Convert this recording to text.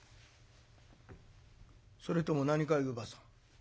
「それとも何かい乳母さん